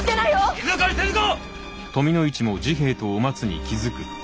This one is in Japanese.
静かにせぬか！